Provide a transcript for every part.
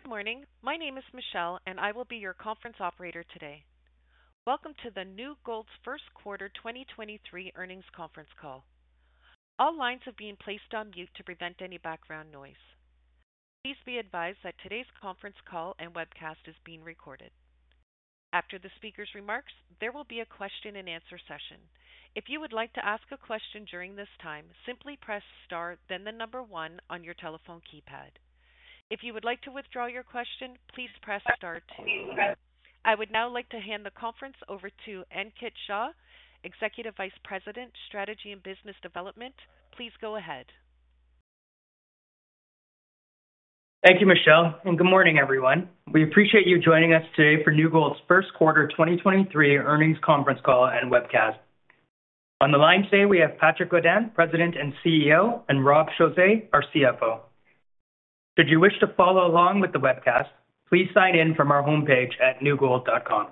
Good morning. My name is Michelle. I will be your conference operator today. Welcome to New Gold's first quarter 2023 earnings conference call. All lines have been placed on mute to prevent any background noise. Please be advised that today's conference call and webcast is being recorded. After the speaker's remarks, there will be a question-and-answer session. If you would like to ask a question during this time, simply press star, then the one on your telephone keypad. If you would like to withdraw your question, please press star two. I would now like to hand the conference over to Ankit Shah, Executive Vice President, Strategy and Business Development. Please go ahead. Thank you, Michelle. Good morning, everyone. We appreciate you joining us today for New Gold's first quarter 2023 earnings conference call and webcast. On the line today, we have Patrick Godin, President and CEO, and Rob Chausse, our CFO. Should you wish to follow along with the webcast, please sign in from our homepage at newgold.com.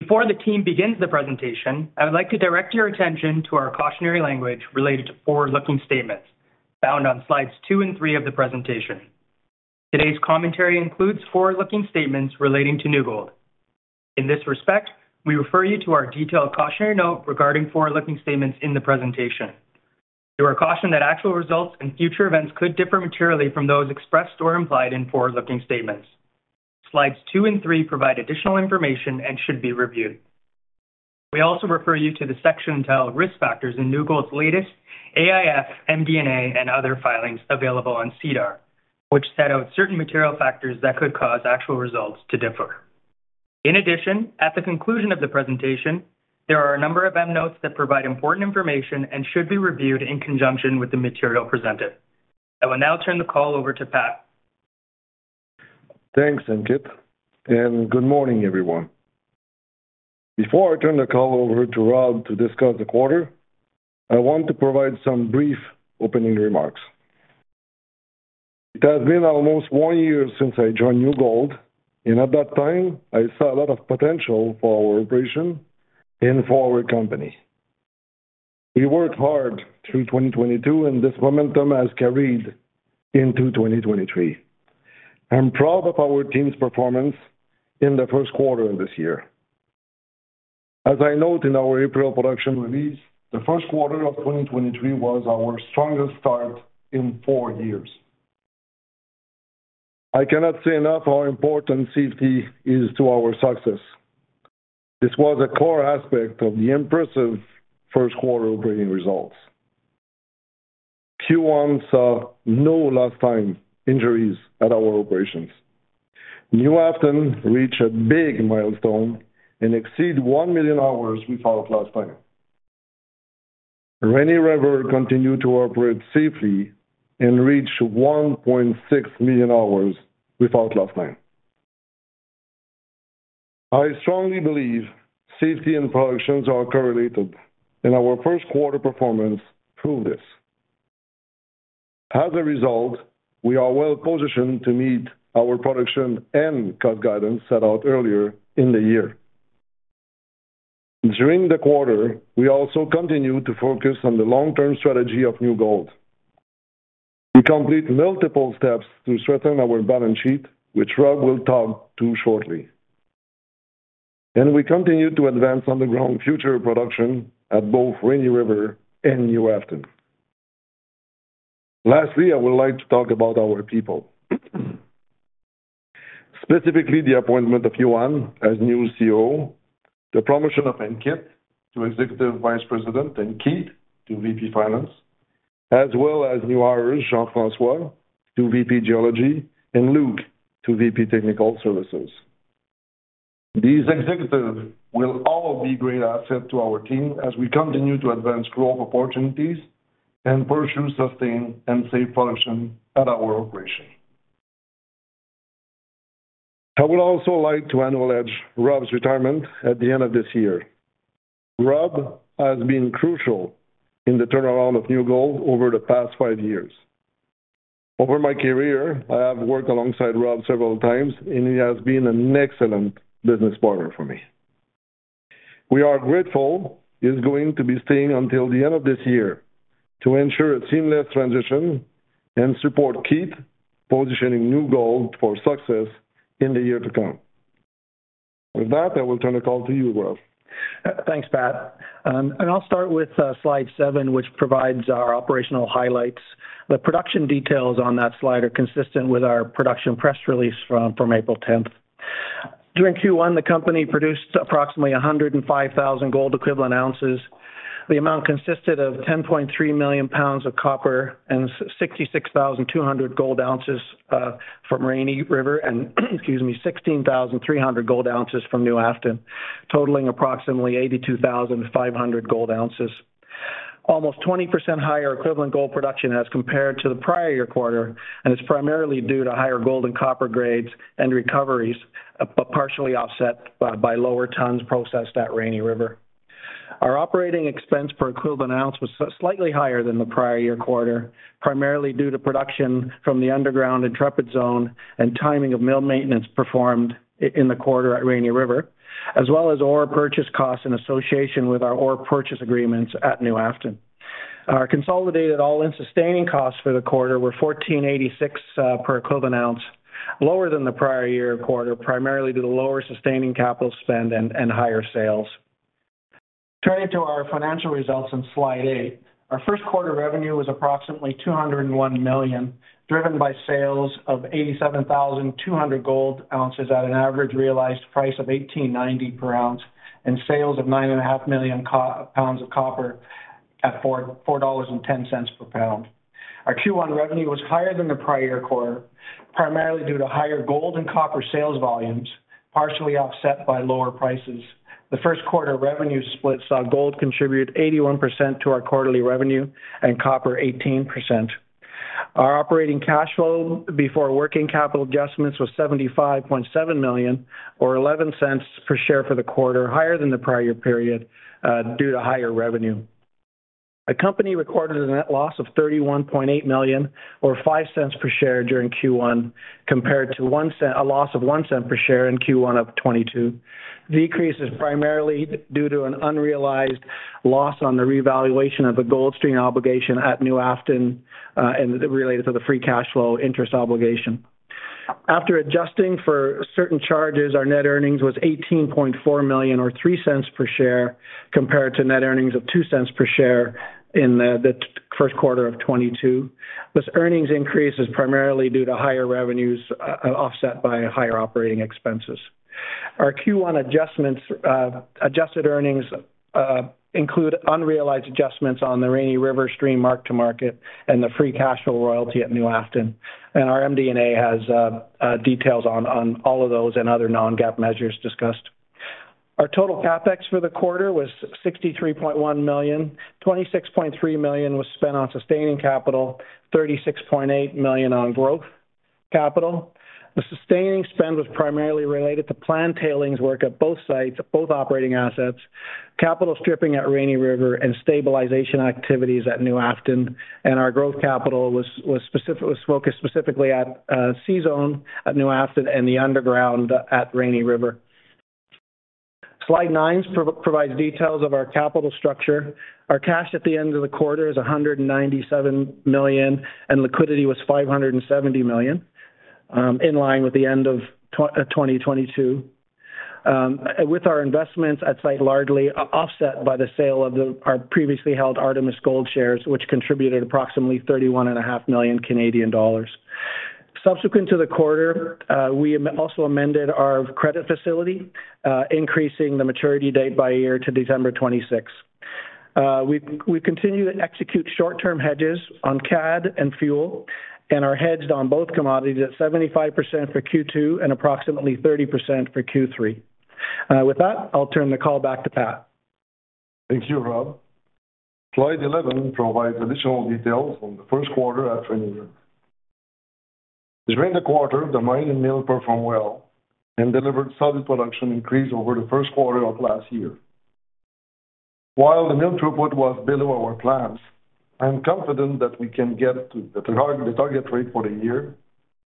Before the team begins the presentation, I would like to direct your attention to our cautionary language related to forward-looking statements, found on slides two and three of the presentation. Today's commentary includes forward-looking statements relating to New Gold. In this respect, we refer you to our detailed cautionary note regarding forward-looking statements in the presentation. You are cautioned that actual results and future events could differ materially from those expressed or implied in forward-looking statements. Slides two and three provide additional information and should be reviewed. We also refer you to the section titled Risk Factors in New Gold's latest AIF, MD&A and other filings available on SEDAR, which set out certain material factors that could cause actual results to differ. In addition, at the conclusion of the presentation, there are a number of endnotes that provide important information and should be reviewed in conjunction with the material presented. I will now turn the call over to Patrick. Thanks, Ankit Shah, good morning, everyone. Before I turn the call over to Rob Chausse to discuss the quarter, I want to provide some brief opening remarks. It has been almost one year since I joined New Gold. At that time, I saw a lot of potential for our operation and for our company. We worked hard through 2022. This momentum has carried into 2023. I'm proud of our team's performance in the first quarter of this year. As I note in our April production release, the first quarter of 2023 was our strongest start in four years. I cannot say enough how important safety is to our success. This was a core aspect of the impressive first quarter operating results. Q1 saw no lost time injuries at our operations. New Afton reached a big milestone and exceed 1 million hours without lost time. Rainy River continued to operate safely and reached 1.6 million hours without lost time. I strongly believe safety and productions are correlated and our first quarter performance proved this. As a result, we are well-positioned to meet our production and cost guidance set out earlier in the year. During the quarter, we also continued to focus on the long-term strategy of New Gold. We complete multiple steps to strengthen our balance sheet, which Rob will talk to shortly. We continue to advance underground future production at both Rainy River and New Afton. Lastly, I would like to talk about our people. Specifically, the appointment of Yohann as new CEO, the promotion of Ankit to Executive Vice President and Keith to VP Finance, as well as new hires, Jean-François to VP Geology and Luke to VP Technical Services. These executives will all be a great asset to our team as we continue to advance growth opportunities and pursue sustained and safe production at our operation. I would also like to acknowledge Rob's retirement at the end of this year. Rob has been crucial in the turnaround of New Gold over the past five years. Over my career, I have worked alongside Rob several times, and he has been an excellent business partner for me. We are grateful he's going to be staying until the end of this year to ensure a seamless transition and support Keith positioning New Gold for success in the years to come. With that, I will turn the call to you, Rob. Thanks, Patrick. I'll start with slide seven, which provides our operational highlights. The production details on that slide are consistent with our production press release from April 10th. During Q1, the company produced approximately 105,000 gold equivalent ounces. The amount consisted of 10.3 million pounds of copper and 66,200 gold ounces from Rainy River and excuse me, 16,300 gold ounces from New Afton, totaling approximately 82,500 gold ounces. Almost 20% higher equivalent gold production as compared to the prior year quarter. It's primarily due to higher gold and copper grades and recoveries, but partially offset by lower tons processed at Rainy River. Our operating expense per equivalent ounce was slightly higher than the prior year quarter, primarily due to production from the underground Intrepid zone and timing of mill maintenance performed in the quarter at Rainy River, as well as ore purchase costs in association with our ore purchase agreements at New Afton. Our consolidated all-in sustaining costs for the quarter were $1,486 per equivalent ounce, lower than the prior year quarter, primarily due to lower sustaining capital spend and higher sales. Turning to our financial results on slide 8. Our first quarter revenue was approximately $201 million, driven by sales of 87,200 gold ounces at an average realized price of $1,890 per ounce and sales of 9.5 million pounds of copper at $4.10 per pound. Our Q1 revenue was higher than the prior quarter, primarily due to higher gold and copper sales volumes, partially offset by lower prices. The first quarter revenue split saw gold contribute 81% to our quarterly revenue and copper 18%. Our operating cash flow before working capital adjustments was $75.7 million or $0.11 per share for the quarter, higher than the prior period, due to higher revenue. The company recorded a net loss of $31.8 million or $0.05 per share during Q1 compared to a loss of $0.01 per share in Q1 of 2022. Decrease is primarily due to an unrealized loss on the revaluation of a gold stream obligation at New Afton and related to the free cash flow interest obligation. After adjusting for certain charges, our net earnings was $18.4 million or $0.03 per share compared to net earnings of $0.02 per share in the first quarter of 2022. This earnings increase is primarily due to higher revenues, offset by higher operating expenses. Our Q1 adjusted earnings include unrealized adjustments on the Rainy River stream mark-to-market and the free cash flow royalty at New Afton. Our MD&A has details on all of those and other non-GAAP measures discussed. Our total CapEx for the quarter was $63.1 million. $26.3 million was spent on sustaining capital, $36.8 million on growth capital. The sustaining spend was primarily related to planned tailings work at both sites, both operating assets, capital stripping at Rainy River, and stabilization activities at New Afton. Our growth capital was focused specifically at C-Zone at New Afton and the underground at Rainy River. Slide 9 provides details of our capital structure. Our cash at the end of the quarter is $197 million, and liquidity was $570 million, in line with the end of 2022, with our investments at site largely offset by the sale of our previously held Artemis Gold shares, which contributed approximately 31 and a half million Canadian dollars. Subsequent to the quarter, we also amended our credit facility, increasing the maturity date by a year to December 26th. We continue to execute short-term hedges on CAD and fuel and are hedged on both commodities at 75% for Q2 and approximately 30% for Q3. With that, I'll turn the call back to Pat. Thank you, Rob. Slide 11 provides additional details on the first quarter at Rainy River. During the quarter, the mine and mill performed well and delivered solid production increase over the first quarter of last year. While the mill throughput was below our plans, I'm confident that we can get to the target rate for the year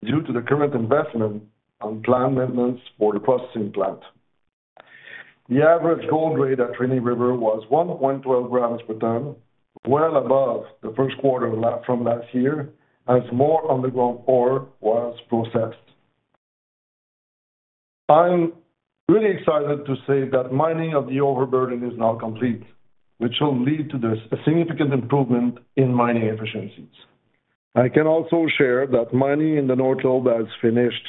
due to the current investment on plant maintenance for the processing plant. The average gold grade at Rainy River was 1.12 grams per ton, well above the first quarter from last year as more underground ore was processed. I'm really excited to say that mining of the overburden is now complete, which will lead to this significant improvement in mining efficiencies. I can also share that mining in the North Lobe has finished,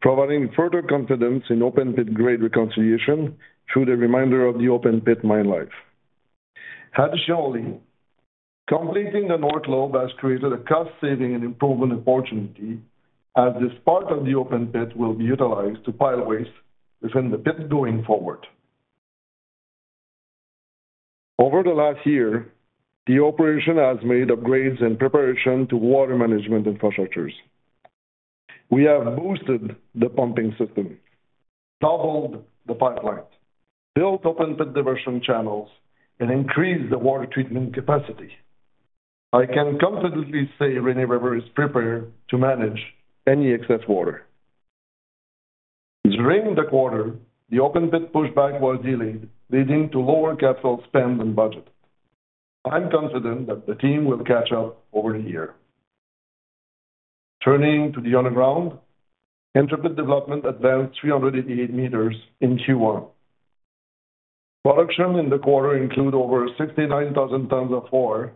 providing further confidence in open pit grade reconciliation through the reminder of the open pit mine life. Additionally, completing the North Lobe has created a cost-saving and improvement opportunity as this part of the open pit will be utilized to pile waste within the pit going forward. Over the last year, the operation has made upgrades in preparation to water management infrastructures. We have boosted the pumping system, doubled the pipeline, built open pit diversion channels, and increased the water treatment capacity. I can confidently say Rainy River is prepared to manage any excess water. During the quarter, the open pit pushback was delayed, leading to lower capital spend than budget. I'm confident that the team will catch up over the year. Turning to the underground, Intrepid development advanced 388 meters in Q1. Production in the quarter include over 69,000 tons of ore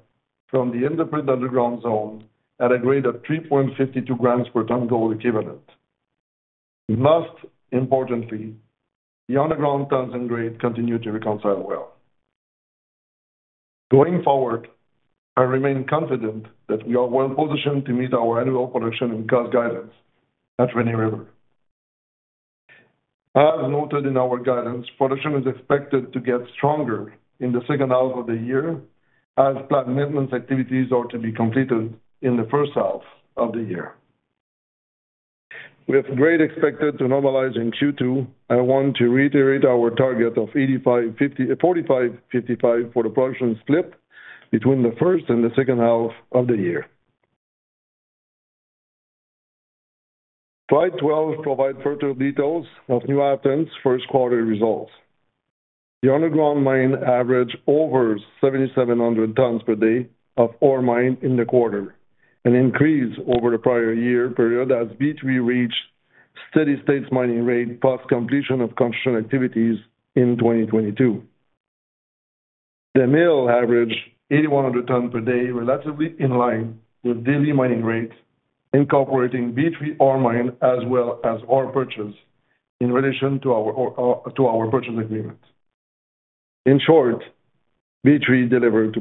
from the Intrepid underground zone at a grade of 3.52 grams per ton gold equivalent. Most importantly, the underground tons and grade continue to reconcile well. Going forward, I remain confident that we are well positioned to meet our annual production and cost guidance at Rainy River. As noted in our guidance, production is expected to get stronger in the second half of the year as plant maintenance activities are to be completed in the first half of the year. With grade expected to normalize in Q2, I want to reiterate our target of 45%-55% for the production split between the first and the second half of the year. Slide 12 provide further details of New Afton's first quarter results. The underground mine average over 7,700 tons per day of ore mine in the quarter, an increase over the prior year period as B3 reached steady state mining rate post completion of construction activities in 2022. The mill average 8,100 ton per day, relatively in line with daily mining rate, incorporating B3 ore mine as well as ore purchase in relation to our purchase agreement. In short, B3 delivered to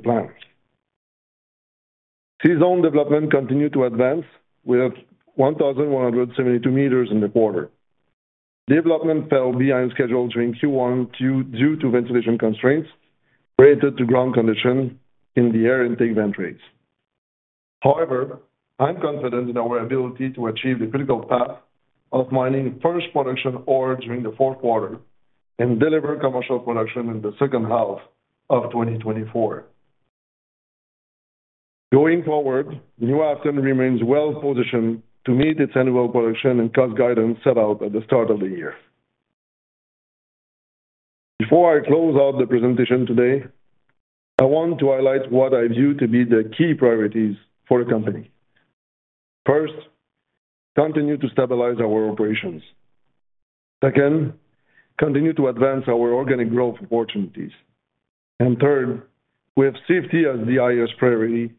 plan. C-zone development continued to advance with 1,172 meters in the quarter. Development fell behind schedule during Q1 due to ventilation constraints related to ground conditions in the air intake vent rates. However, I'm confident in our ability to achieve the critical path of mining first production ore during the fourth quarter and deliver commercial production in the second half of 2024. Going forward, New Afton remains well positioned to meet its annual production and cost guidance set out at the start of the year. Before I close out the presentation today, I want to highlight what I view to be the key priorities for the company. First, continue to stabilize our operations. Second, continue to advance our organic growth opportunities. Third, with safety as the highest priority,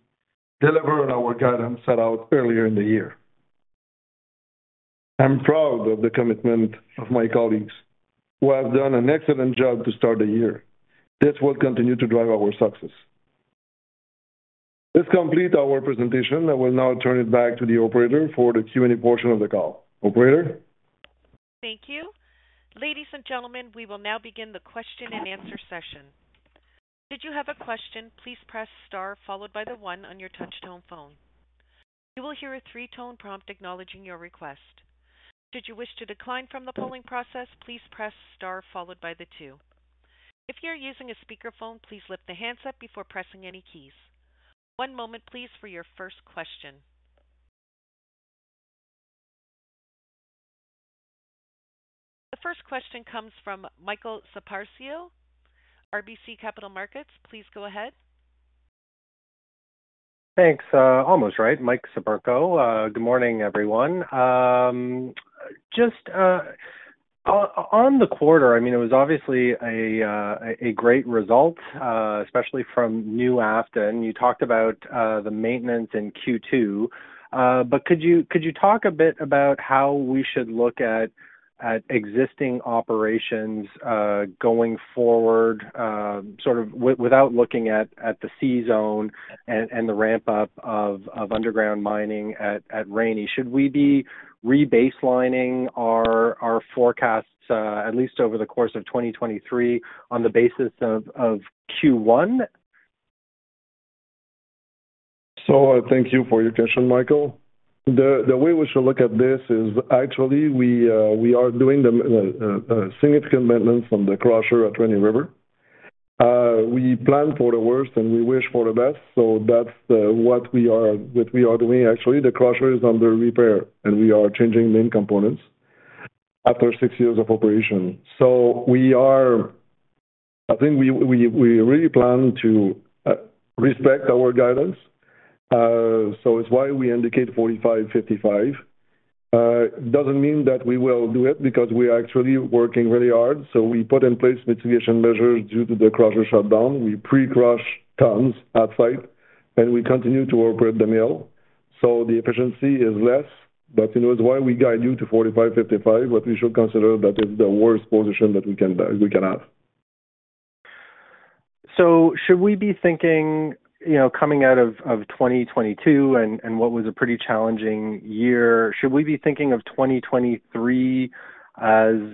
deliver on our guidance set out earlier in the year. I'm proud of the commitment of my colleagues who have done an excellent job to start the year. This will continue to drive our success. This complete our presentation. I will now turn it back to the operator for the Q and A portion of the call. Operator? Thank you. Ladies and gentlemen, we will now begin the question-and-answer session. Should you have a question, please press star followed by the one on your touch tone phone. You will hear a three tone prompt acknowledging your request. Should you wish to decline from the polling process, please press star followed by the two. If you're using a speakerphone, please lift the handset before pressing any keys. One moment please for your first question. The first question comes from Michael Siperco, RBC Capital Markets. Please go ahead. Thanks. Almost right. Michael Siperco. Good morning, everyone. Just on the quarter, I mean, it was obviously a great result, especially from New Afton. You talked about the maintenance in Q2. But could you talk a bit about how we should look at existing operations going forward, sort of without looking at the C zone and the ramp up of underground mining at Rainy River? Should we be re-baselining our forecasts, at least over the course of 2023 on the basis of Q1? Thank you for your question, Michael. The way we should look at this is actually we are doing significant maintenance on the crusher at Rainy River. We plan for the worst and we wish for the best. That's what we are doing. Actually, the crusher is under repair, and we are changing main components after six years of operation. I think we really plan to respect our guidance. It's why we indicate 45, 55. It doesn't mean that we will do it because we are actually working really hard. We put in place mitigation measures due to the crusher shutdown. We pre-crush tons at site, and we continue to operate the mill. The efficiency is less, but, you know, it's why we guide you to 45%-55%, but we should consider that is the worst position that we can have. Should we be thinking, you know, coming out of 2022 and what was a pretty challenging year, should we be thinking of 2023 as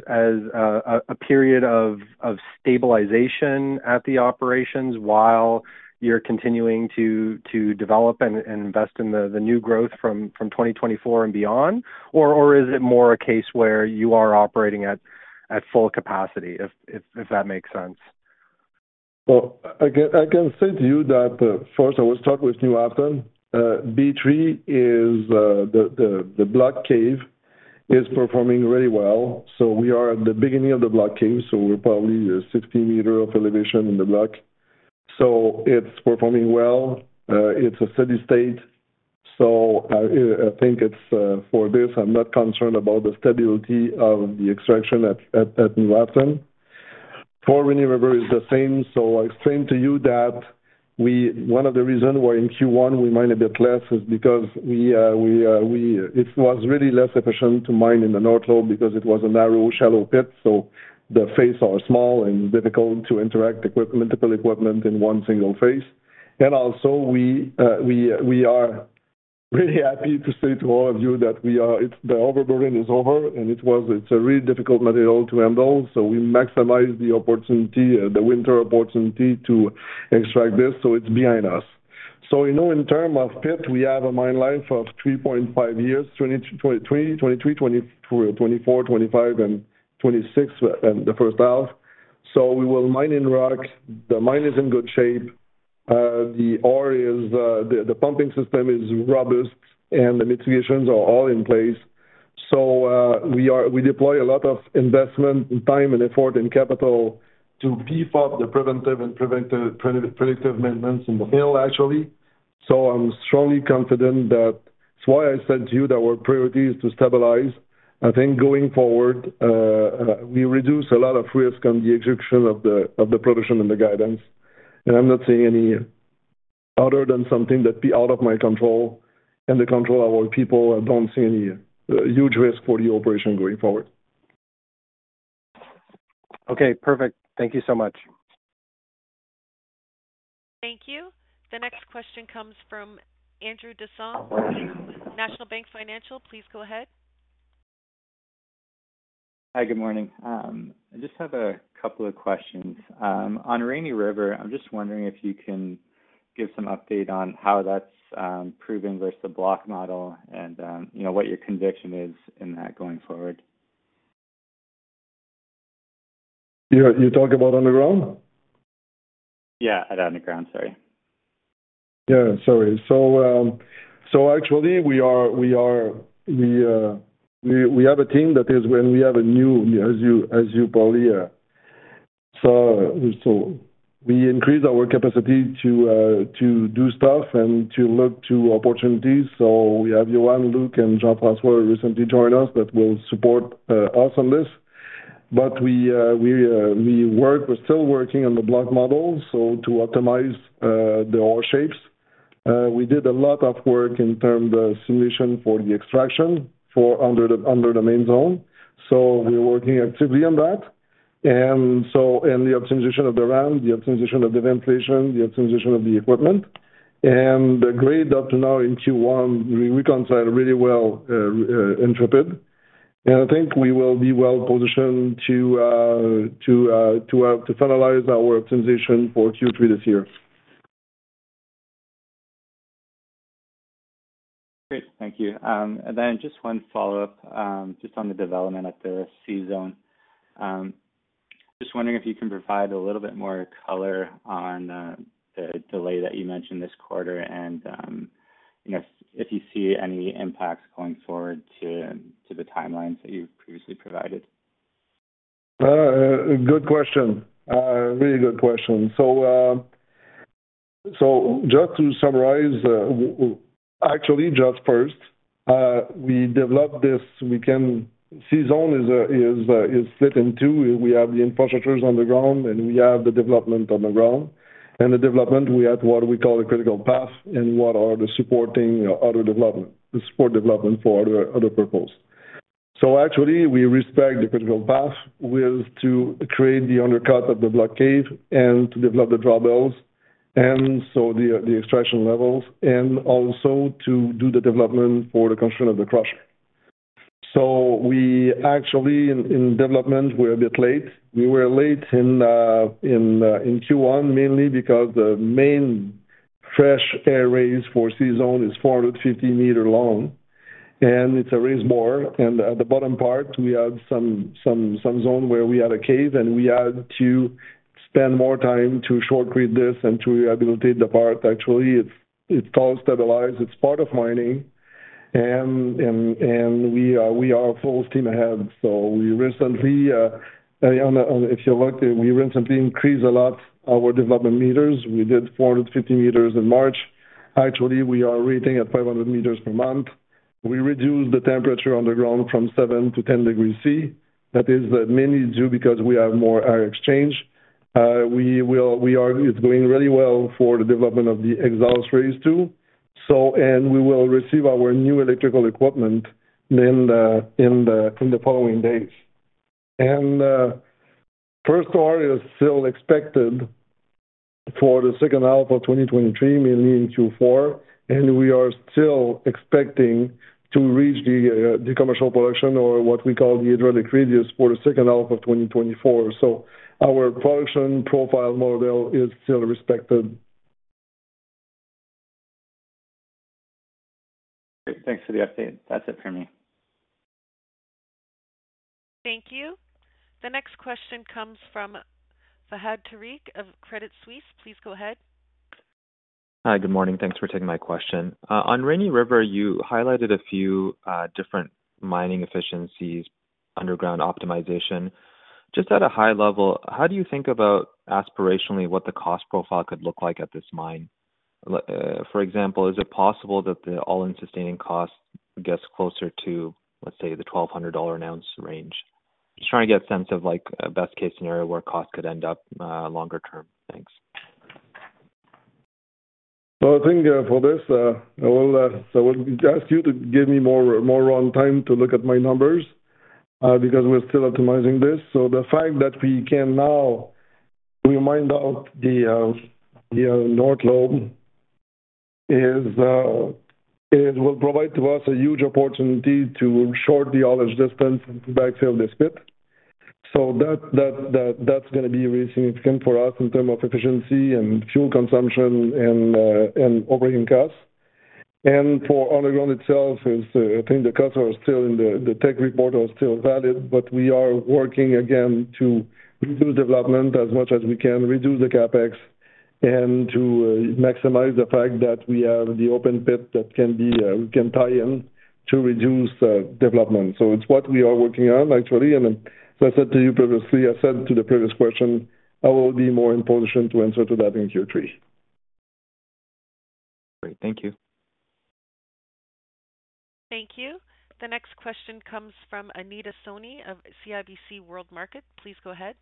a period of stabilization at the operations while you're continuing to develop and invest in the new growth from 2024 and beyond? Is it more a case where you are operating at full capacity, if that makes sense? Well, I can say to you that first I will start with New Afton. B3 is the block cave is performing really well. We are at the beginning of the block cave, so we're probably 60 meter of elevation in the block. It's performing well. It's a steady-state. I think it's for this, I'm not concerned about the stability of the extraction at New Afton. For Rainy River is the same. I explained to you that one of the reason why in Q1 we mined a bit less is because it was really less efficient to mine in the North Lobe because it was a narrow, shallow pit, so the face are small and difficult to interact equipment, to put equipment in one single face. Also we are really happy to say to all of you that the overburden is over and it's a really difficult material to handle. We maximize the opportunity, the winter opportunity to extract this, so it's behind us. You know in term of pit, we have a mine life of 3.5 years, 2023, 2024, 2025, and 2026, the first half. We will mine in rock. The mine is in good shape. The ore is, the pumping system is robust and the mitigations are all in place. We deploy a lot of investment and time and effort and capital to beef up the preventive and predictive maintenance in the hill actually. I'm strongly confident that. That's why I said to you that our priority is to stabilize. I think going forward, we reduce a lot of risk on the execution of the, of the production and the guidance. I'm not seeing any other than something that be out of my control and the control of our people. I don't see any huge risk for the operation going forward. Okay, perfect. Thank you so much. Thank you. The next question comes from Andrew Desaulniers with National Bank Financial. Please go ahead. Hi. Good morning. I just have a couple of questions. On Rainy River, I'm just wondering if you can give some update on how that's proving versus the block model and you know what your conviction is in that going forward. You talk about underground? Yeah, underground. Sorry. Yeah, sorry. Actually we are, we have a team that is when we have a new, as you probably. We increase our capacity to do stuff and to look to opportunities. We have Yohann, Luke, and Jean-François recently joined us that will support us on this. We are still working on the block model, to optimize the ore shapes. We did a lot of work in term the solution for the extraction for under the main zone. We are working actively on that. The optimization of the ramp, the optimization of the ventilation, the optimization of the equipment. The grade up to now in Q1, we reconcile really well, Intrepid. I think we will be well positioned to finalize our optimization for Q3 this year. Great. Thank you. Just one follow-up, just on the development at the C-zone. Just wondering if you can provide a little bit more color on the delay that you mentioned this quarter and, you know, if you see any impacts going forward to the timelines that you've previously provided? Good question. Really good question. Just to summarize, actually, just first, we developed this. C-zone is split in two. We have the infrastructures underground, and we have the development underground. The development, we have what we call the critical path and what are the supporting other development, the support development for other purpose. Actually we respect the critical path with, to create the undercut of the block cave and to develop the drawbells and so the extraction levels, and also to do the development for the construction of the crusher. We actually, in development, we're a bit late. We were late in Q1, mainly because the main fresh air raise for C-zone is 450 meter long, and it's a raise bore. At the bottom part we have some zone where we had a cave and we had to spend more time to shotcrete this and to rehabilitate the part. Actually, it's all stabilized, it's part of mining. We are full steam ahead. We recently, if you looked, we recently increased a lot our development meters. We did 450 meters in March. Actually, we are rating at 500 meters per month. We reduced the temperature underground from seven to 10 degrees Celsius. That is mainly due because we have more air exchange. It's going really well for the development of the exhaust raise too. We will receive our new electrical equipment in the following days. First ore is still expected for the second half of 2023, mainly in Q4. We are still expecting to reach the commercial production or what we call the hydraulic radius for the second half of 2024. Our production profile model is still respected. Great. Thanks for the update. That's it for me. Thank you. The next question comes from Fahad Tariq of Credit Suisse. Please go ahead. Hi. Good morning. Thanks for taking my question. On Rainy River, you highlighted a few different mining efficiencies, underground optimization. Just at a high level, how do you think about aspirationally, what the cost profile could look like at this mine? For example, is it possible that the all-in sustaining cost gets closer to, let's say, the $1,200 an ounce range? Just trying to get a sense of, like, a best case scenario where costs could end up longer term. Thanks. Well, I think, for this, I will, I would ask you to give me more, more runtime to look at my numbers, because we're still optimizing this. The fact that we can now remind out the North Lobe is it will provide to us a huge opportunity to short the haulage distance and backfill this pit. That's gonna be really significant for us in term of efficiency and fuel consumption and operating costs. And for underground itself is, I think the customer is still in the tech report are still valid, but we are working again to reduce development as much as we can, reduce the CapEx and to maximize the fact that we have the open pit that can be we can tie in to reduce development. It's what we are working on actually. As I said to you previously, I said to the previous question, I will be more in position to answer to that in Q3. Great. Thank you. Thank you. The next question comes from Anita Soni of CIBC Capital Markets. Please go ahead.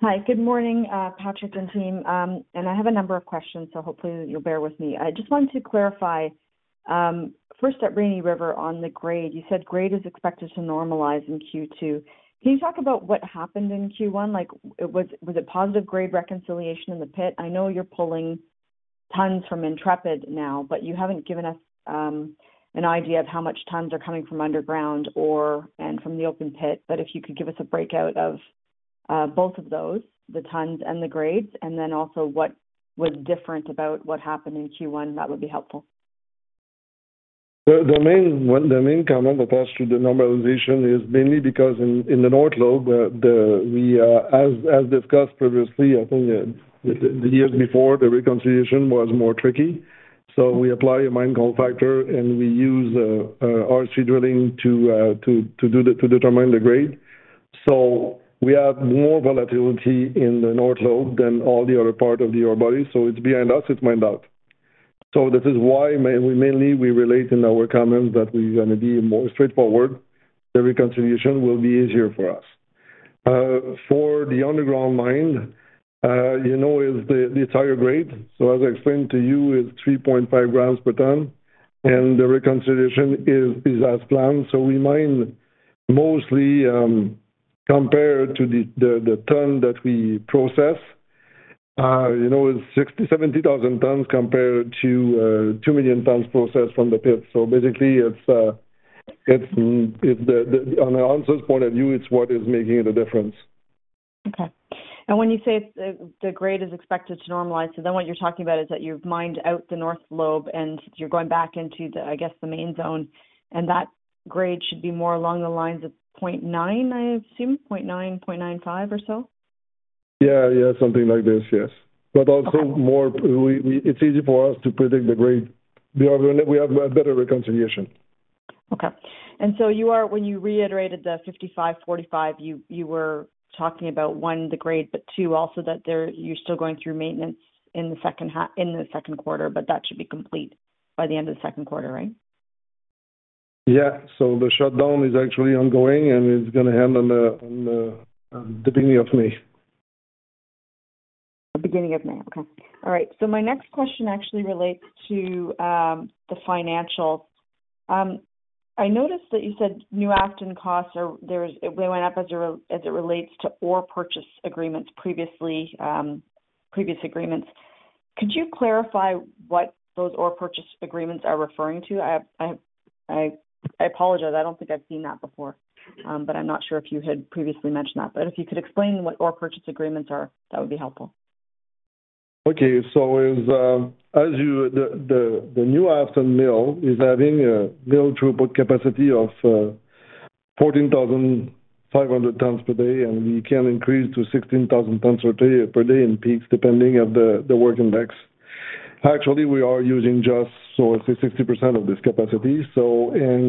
Hi. Good morning, Patrick and team. I have a number of questions, so hopefully you'll bear with me. I just wanted to clarify, first at Rainy River on the grade. You said grade is expected to normalize in Q2. Can you talk about what happened in Q1? Was it positive grade reconciliation in the pit? I know you're pulling tons from Intrepid now, but you haven't given us an idea of how much tons are coming from underground and from the open pit. If you could give us a breakout of both of those, the tons and the grades, and then also what was different about what happened in Q1, that would be helpful. The main one, the main comment with regards to the normalization is mainly because in the North Lobe, we, as discussed previously, I think the years before, the reconciliation was more tricky. We apply a mine count factor, and we use RC drilling to determine the grade. We have more volatility in the North Lobe than all the other part of the ore body. It's behind us, it's mined out. This is why we mainly relate in our comments that we're gonna be more straightforward. The reconciliation will be easier for us. For the underground mine, you know, is the entire grade. As I explained to you, is 3.5 grams per ton, and the reconciliation is as planned. We mine mostly, compared to the ton that we process, you know, is 60,000-70,000 tons compared to 2 million tons processed from the pit. Basically it's, on an ounces point of view, it's what is making the difference. Okay. When you say it's, the grade is expected to normalize, so then what you're talking about is that you've mined out the North Lobe and you're going back into the, I guess, the main zone, and that grade should be more along the lines of 0.9, I assume, 0.9, 0.95 or so? Yeah, yeah. Something like this, yes. Okay. Also more, we it's easy for us to predict the grade. We have a better reconciliation. Okay. You are, when you reiterated the 55, 45, you were talking about, one, the grade, but two, also that there, you're still going through maintenance in the second quarter, but that should be complete by the end of the second quarter, right? Yeah. The shutdown is actually ongoing, and it's gonna end on the beginning of May. The beginning of May. Okay. All right. My next question actually relates to the financials. I noticed that you said New Afton costs are It went up as it relates to ore purchase agreements previously, previous agreements. Could you clarify what those ore purchase agreements are referring to? I apologize. I don't think I've seen that before. I'm not sure if you had previously mentioned that. If you could explain what ore purchase agreements are, that would be helpful. The New Afton mill is having a mill throughput capacity of 14,500 tons per day, and we can increase to 16,000 tons per day in peaks, depending of the Work Index. Actually, we are using just 60% of this capacity.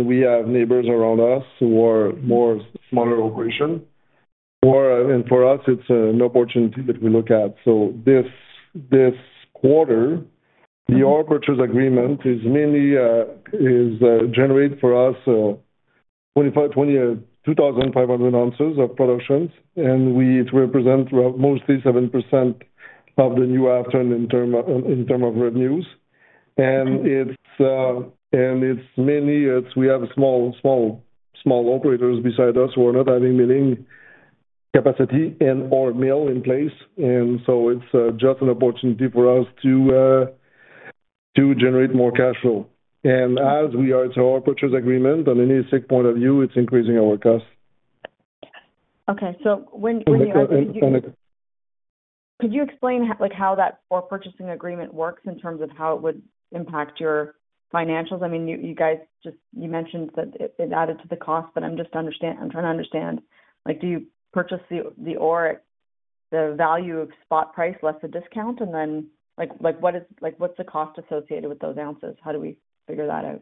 We have neighbors around us who are more smaller operation. For us, it's an opportunity that we look at. This quarter, the ore purchase agreement is mainly, is generate for us 2,500 ounces of productions. It represent mostly 7% of the New Afton in term of revenues. It's mainly we have small operators beside us who are not having milling capacity or mill in place. It's just an opportunity for us to generate more cash flow. Our purchase agreement, on an ESG point of view, it's increasing our costs. Okay. Anita. Could you explain, like, how that ore purchasing agreement works in terms of how it would impact your financials? I mean, you guys, you mentioned that it added to the cost, but I'm trying to understand, like, do you purchase the ore, the value of spot price less the discount? Then, like, what is, like, what's the cost associated with those ounces? How do we figure that out?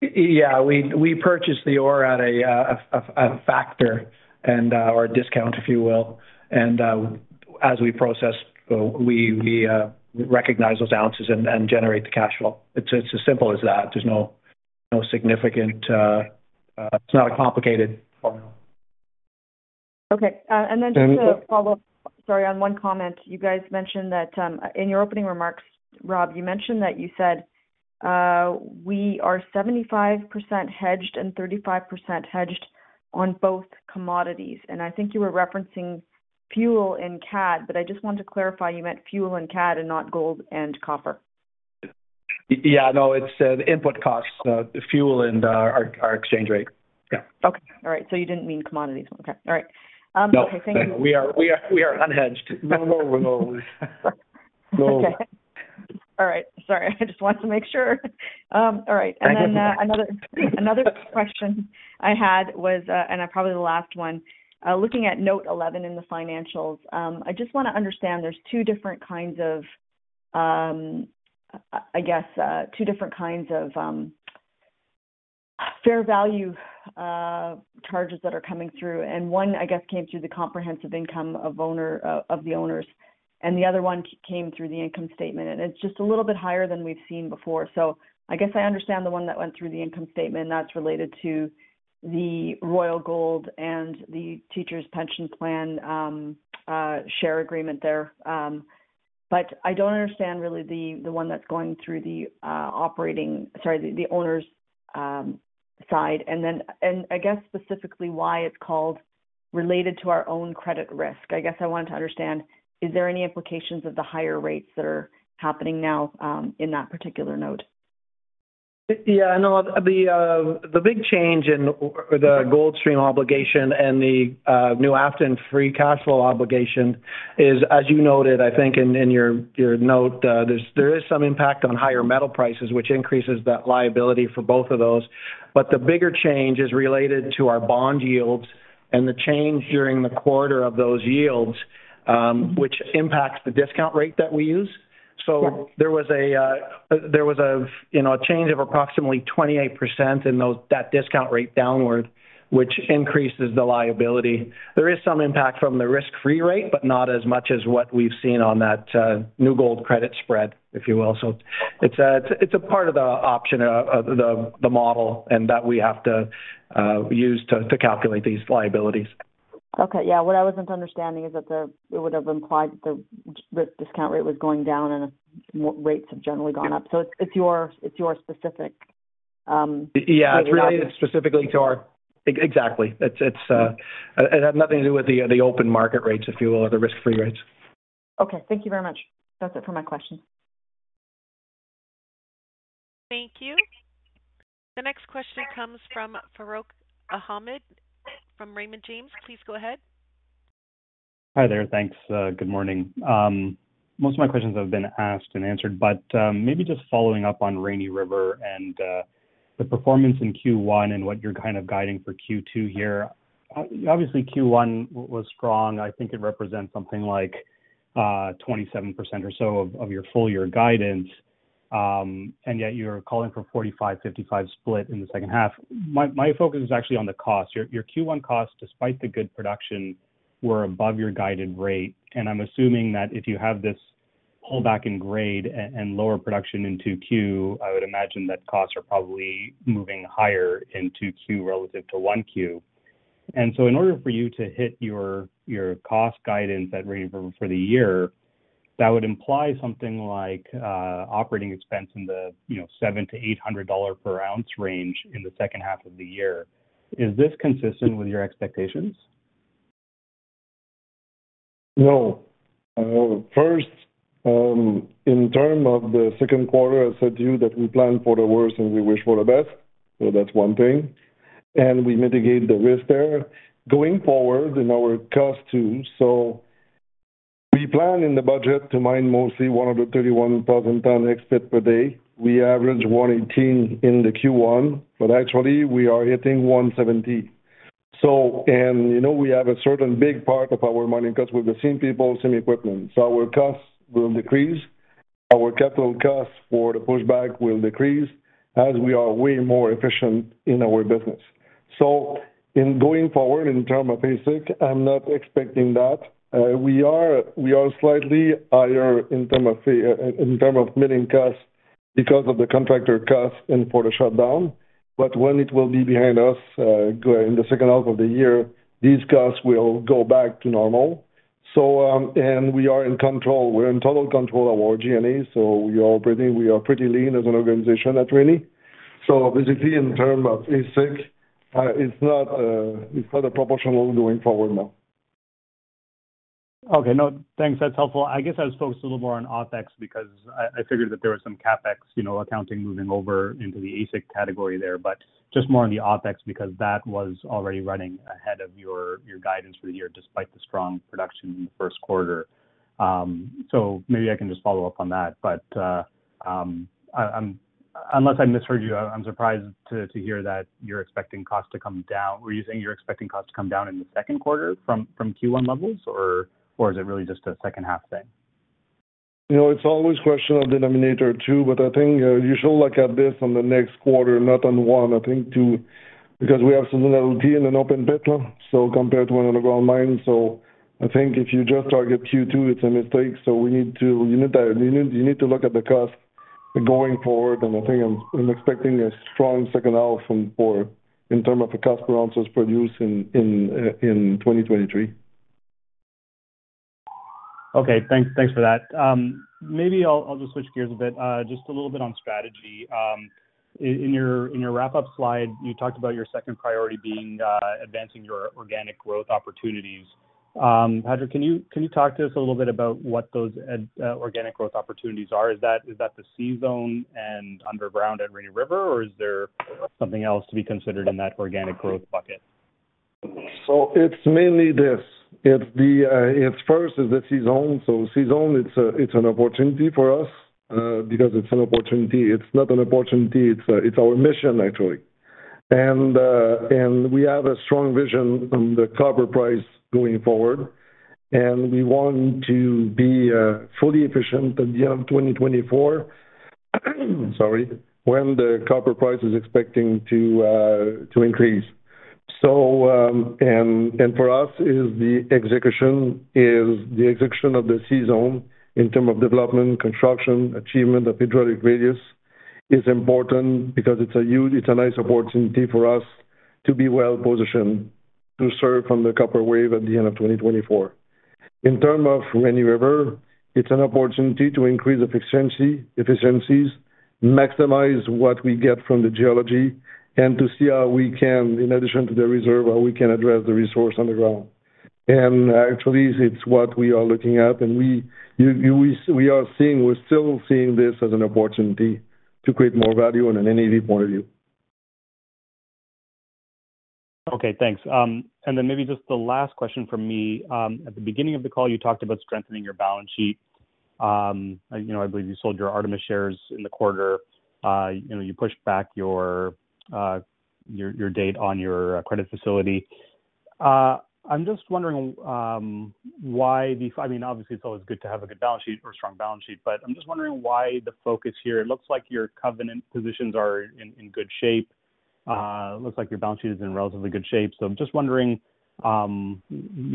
Yeah. We purchase the ore at a factor and or a discount, if you will. As we process, we recognize those ounces and generate the cash flow. It's as simple as that. There's no significant. It's not a complicated formula. Okay. Just to follow up, sorry, on one comment. You guys mentioned that in your opening remarks, Rob, you mentioned that you said, we are 75% hedged and 35% hedged on both commodities, and I think you were referencing fuel and CAD, but I just wanted to clarify, you meant fuel and CAD and not gold and copper? Yeah, no, it's the input costs, the fuel and our exchange rate. Okay. All right. You didn't mean commodities. Okay. All right. Okay. Thank you. No, we are unhedged. No, we're Gold. Okay. All right. Sorry. I just wanted to make sure. All right. Thank you for that. Then, another question I had was, and probably the last one, looking at note 11 in the financials, I just want to understand there's two different kinds of, I guess, two different kinds of fair value charges that are coming through, and one, I guess, came through the comprehensive income of the owners, and the other one came through the income statement. It's just a little bit higher than we've seen before. I guess I understand the one that went through the income statement that's related to the Royal Gold and the Teachers Pension Plan share agreement there. I don't understand really the one that's going through the operating, sorry, the owner's side. I guess specifically why it's called related to our own credit risk. I guess I want to understand, is there any implications of the higher rates that are happening now, in that particular note? No, the big change in the gold stream obligation and the New Afton free cash flow obligation is, as you noted, I think in your note, there is some impact on higher metal prices, which increases that liability for both of those. The bigger change is related to our bond yields and the change during the quarter of those yields, which impacts the discount rate that we use. Yes. There was a, you know, a change of approximately 28% in those, that discount rate downward, which increases the liability. There is some impact from the risk-free rate, but not as much as what we've seen on that, New Gold credit spread, if you will. It's a part of the option, of the model and that we have to use to calculate these liabilities. Okay. Yeah. What I wasn't understanding is that the, it would have implied that the discount rate was going down and rates have generally gone up. It's your specific rate. Yeah. It's related specifically to our, exactly. It's, It had nothing to do with the open market rates, if you will, or the risk-free rates. Okay. Thank you very much. That's it for my question. Thank you. The next question comes from Farooq Hamed from Raymond James. Please go ahead. Hi there. Thanks. Good morning. Most of my questions have been asked and answered, but maybe just following up on Rainy River and the performance in Q1 and what you're kind of guiding for Q2 here. Obviously, Q1 was strong. I think it represents something like 27% or so of your full year guidance. Yet you're calling for a 45-55 split in the second half. My focus is actually on the cost. Your Q1 costs, despite the good production, were above your guided rate. I'm assuming that if you have this pullback in grade and lower production in two Q, I would imagine that costs are probably moving higher in two Q relative to one Q. In order for you to hit your cost guidance at Rainy River for the year, that would imply something like operating expense in the, you know, $700-$800 per ounce range in the second half of the year. Is this consistent with your expectations? First, in terms of the second quarter, I said to you that we plan for the worst, and we wish for the best. That's one thing. We mitigate the risk there. Going forward in our cost too. We plan in the budget to mine mostly 131,000 ton exit per day. We average 118 in the Q1, but actually, we are hitting 170. And, you know, we have a certain big part of our mining cost with the same people, same equipment. Our costs will decrease. Our capital costs for the pushback will decrease as we are way more efficient in our business. In going forward in terms of AISC, I'm not expecting that. We are slightly higher in term of milling costs because of the contractor costs and for the shutdown. When it will be behind us, in the second half of the year, these costs will go back to normal. We are in control. We're in total control of our G&A, we are pretty lean as an organization at Rainy. Basically, in terms of AISC, it's not a proportional going forward, no. Okay. No. Thanks. That's helpful. I guess I was focused a little more on OpEx because I figured that there was some CapEx, you know, accounting moving over into the AISC category there. Just more on the OpEx because that was already running ahead of your guidance for the year, despite the strong production in the first quarter. Maybe I can just follow up on that. Unless I misheard you, I'm surprised to hear that you're expecting costs to come down. Were you saying you're expecting costs to come down in the second quarter from Q1 levels or is it really just a second-half thing? You know, it's always question of denominator too, but I think you should look at this on the next quarter, not on one. I think two, because we have some 18 in an open pit, so compared to an underground mine. I think if you just target Q2, it's a mistake. You need to look at the cost going forward, and I think I'm expecting a strong second half from, in terms of the cost per ounces produced in 2023. Okay. Thanks, thanks for that. Maybe I'll just switch gears a bit. Just a little bit on strategy. In your in your wrap-up slide, you talked about your second priority being advancing your organic growth opportunities. Patrick, can you talk to us a little bit about what those organic growth opportunities are? Is that the C-zone and underground at Rainy River, or is there something else to be considered in that organic growth bucket? It's mainly this. It's first is the C-zone. C-zone, it's an opportunity for us, because it's an opportunity. It's not an opportunity. It's our mission, actually. We have a strong vision on the copper price going forward, and we want to be fully efficient at the end of 2024, sorry, when the copper price is expecting to increase. For us is the execution of the C-zone in terms of development, construction, achievement of hydraulic radius is important because it's a huge, it's a nice opportunity for us to be well positioned to serve on the copper wave at the end of 2024. In terms of Rainy River, it's an opportunity to increase efficiencies, maximize what we get from the geology, and to see how we can, in addition to the reserve, how we can address the resource underground. Actually, it's what we are looking at. We're still seeing this as an opportunity to create more value in an NAV point of view. Okay, thanks. Maybe just the last question from me. At the beginning of the call, you talked about strengthening your balance sheet. You know, I believe you sold your Artemis shares in the quarter. You know, you pushed back your date on your credit facility. I'm just wondering, I mean, obviously, it's always good to have a good balance sheet or a strong balance sheet, I'm just wondering why the focus here. It looks like your covenant positions are in good shape. Looks like your balance sheet is in relatively good shape. I'm just wondering, you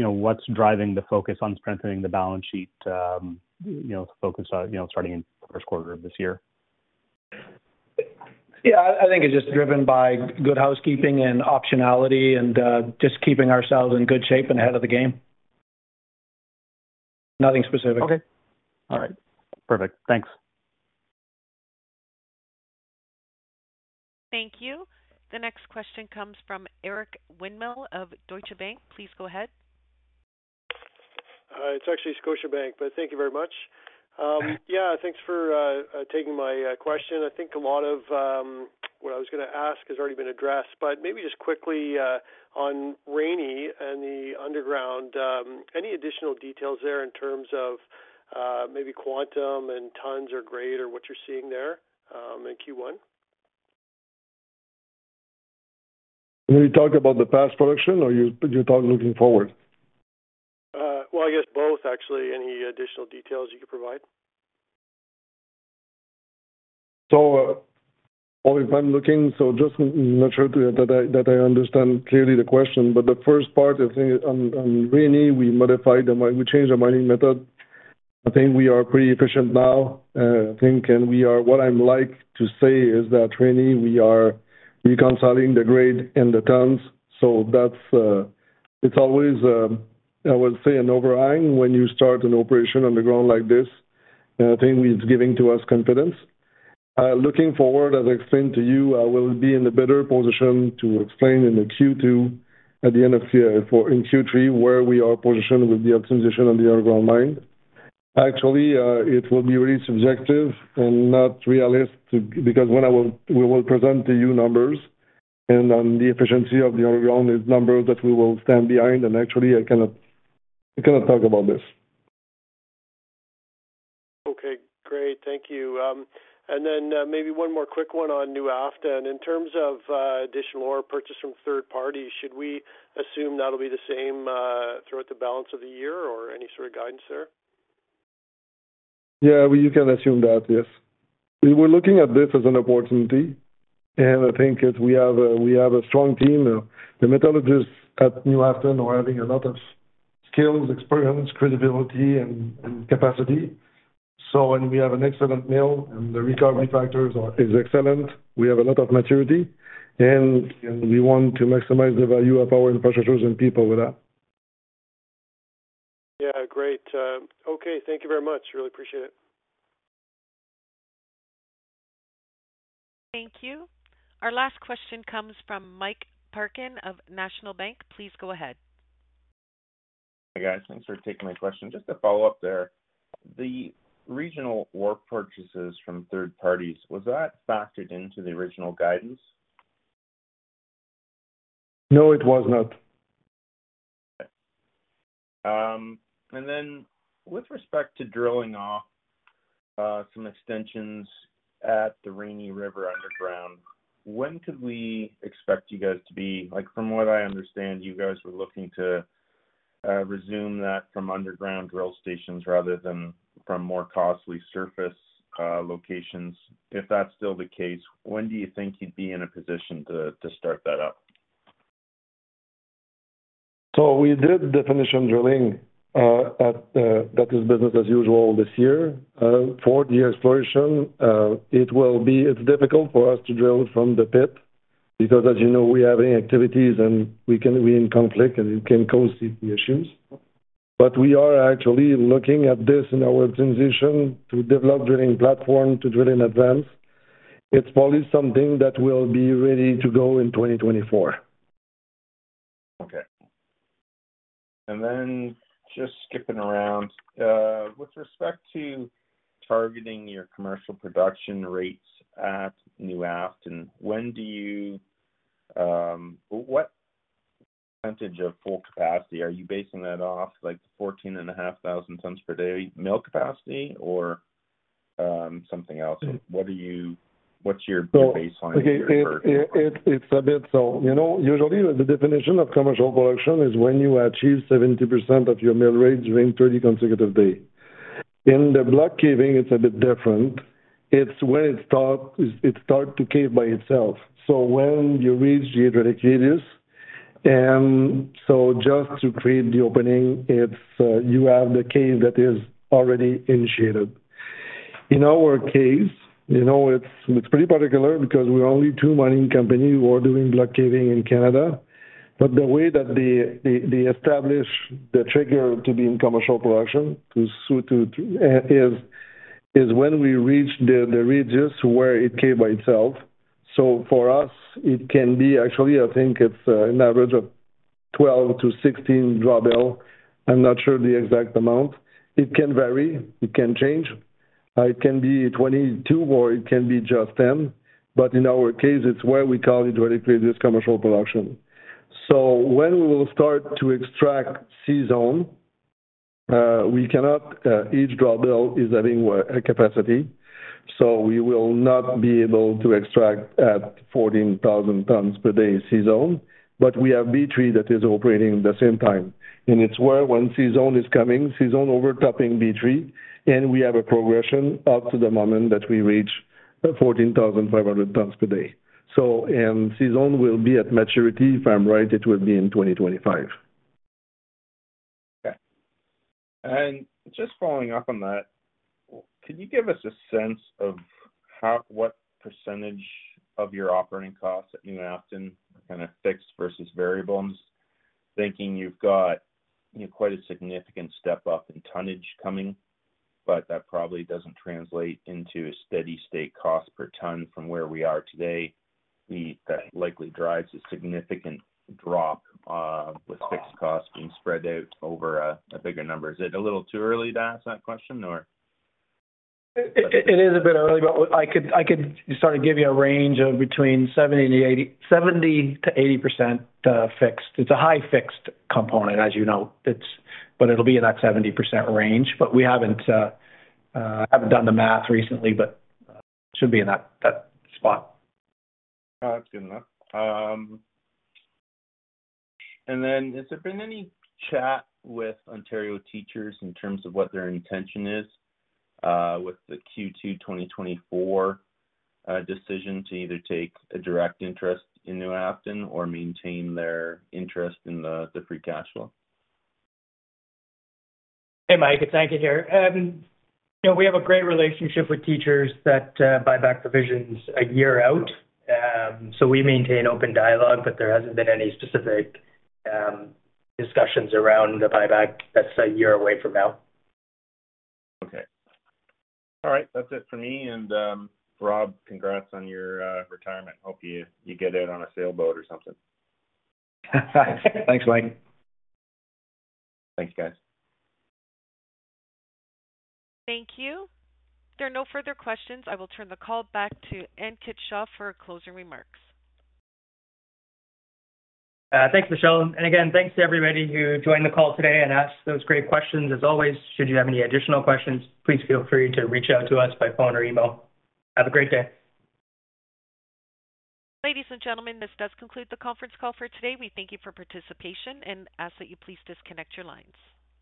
know, what's driving the focus on strengthening the balance sheet, you know, to focus on, you know, starting in first quarter of this year. Yeah, I think it's just driven by good housekeeping and optionality and just keeping ourselves in good shape and ahead of the game. Nothing specific. Okay. All right. Perfect. Thanks. Thank you. The next question comes from Eric Winmill of Scotiabank. Please go ahead. It's actually Scotiabank, but thank you very much. Yeah, thanks for taking my question. I think a lot of what I was gonna ask has already been addressed, but maybe just quickly on Rainy and the underground, any additional details there in terms of maybe quantum and tons or grade or what you're seeing there in Q1? You talk about the past production or you talk looking forward? Well, I guess both, actually. Any additional details you could provide? If I'm looking, so just not sure that I, that I understand clearly the question, but the first part, I think on Rainy, we modified the mining, we changed the mining method. I think we are pretty efficient now. What I'm like to say is that Rainy, we are reconciling the grade and the tons. That's, it's always, I would say an overhang when you start an operation underground like this. I think it's giving to us confidence. Looking forward, as I explained to you, I will be in a better position to explain in the Q2, at the end of year in Q3, where we are positioned with the optimization of the underground mine. Actually, it will be really subjective and not realistic because when we will present to you numbers and on the efficiency of the underground is numbers that we will stand behind. Actually, I cannot talk about this. Okay, great. Thank you. Maybe one more quick one on New Afton. In terms of additional ore purchase from third party, should we assume that'll be the same throughout the balance of the year or any sort of guidance there? Yeah, you can assume that, yes. We were looking at this as an opportunity. I think we have a strong team. The metallurgists at New Afton are having a lot of skills, experience, credibility, and capacity. We have an excellent mill and the recovery factors is excellent. We have a lot of maturity, and we want to maximize the value of our infrastructures and people with that. Yeah, great. Okay. Thank you very much. Really appreciate it. Thank you. Our last question comes from Mike Parkin of National Bank. Please go ahead. Hi, guys. Thanks for taking my question. Just to follow up there, the regional ore purchases from third parties, was that factored into the original guidance? No, it was not. With respect to drilling off some extensions at the Rainy River underground, when could we expect you guys? Like, from what I understand, you guys were looking to resume that from underground drill stations rather than from more costly surface locations. If that's still the case, when do you think you'd be in a position to start that up? We did definition drilling at that is business as usual this year. For the exploration, it's difficult for us to drill from the pit because as you know, we are having activities and we can be in conflict, and it can cause safety issues. We are actually looking at this in our transition to develop drilling platform, to drill in advance. It's probably something that will be ready to go in 2024. Okay. Then just skipping around. With respect to targeting your commercial production rates at New Afton, what percentage of full capacity are you basing that off? Like, 14,500 tons per day mill capacity or, something else? What's your baseline here? Okay. It's a bit, you know, usually the definition of commercial production is when you achieve 70% of your mill rate during 30 consecutive day. In the block caving, it's a bit different. It's when it start to cave by itself. When you reach the ready caves. Just to create the opening, it's, you have the cave that is already initiated. In our case, you know, it's pretty particular because we're only two mining company who are doing block caving in Canada. The way that they establish the trigger to be in commercial production to is when we reach the regions where it cave by itself. For us, it can be actually, I think it's an average of 12 to 16 drawbell. I'm not sure the exact amount. It can vary, it can change. It can be 22, or it can be just 10. In our case, it's where we call it ready caves commercial production. When we will start to extract C-zone, we cannot, each drawbell is having a capacity, so we will not be able to extract at 14,000 tons per day C-zone. We have B3 that is operating the same time. It's where when C-zone is coming, C-zone overtopping B3, and we have a progression up to the moment that we reach 14,500 tons per day. C-zone will be at maturity, if I'm right, it will be in 2025. Okay. Just following up on that, could you give us a sense of what % of your operating costs at New Afton are kind of fixed versus variable? I'm thinking you've got, you know, quite a significant step up in tonnage coming, but that probably doesn't translate into a steady state cost per ton from where we are today. That likely drives a significant drop with fixed costs being spread out over a bigger number. Is it a little too early to ask that question or? It is a bit early, but I could start to give you a range of between 70%-80% fixed. It's a high fixed component, as you know. It'll be in that 70% range. We haven't done the math recently, but should be in that spot. That's good enough. Has there been any chat with Ontario Teachers in terms of what their intention is, with the Q2 2024, decision to either take a direct interest in New Afton or maintain their interest in the free cash flow? Hey, Mike, it's Ankit here. You know, we have a great relationship with Teachers' that buyback provisions a year out. We maintain open dialogue, but there hasn't been any specific discussions around a buyback that's a year away from now. Okay. All right. That's it for me. Rob, congrats on your retirement. Hope you get out on a sailboat or something. Thanks. Thanks, Mike. Thanks, guys. Thank you. If there are no further questions, I will turn the call back to Ankit Shah for closing remarks. Thanks, Michelle. Again, thanks to everybody who joined the call today and asked those great questions. As always, should you have any additional questions, please feel free to reach out to us by phone or email. Have a great day. Ladies and gentlemen, this does conclude the conference call for today. We thank you for participation and ask that you please disconnect your lines.